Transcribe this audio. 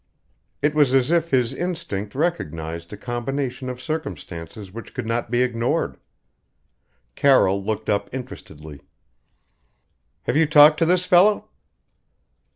It was as if his instinct recognized a combination of circumstances which could not be ignored. Carroll looked up interestedly. "Have you talked to this fellow?"